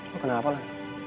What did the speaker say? lo kenapa lah